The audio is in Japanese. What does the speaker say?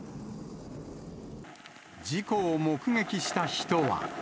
事故を目撃した人は。